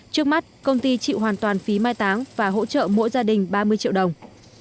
trước mắt công ty chịu hoàn toàn phí mai táng và hỗ trợ mỗi gia đình ba mươi triệu đồng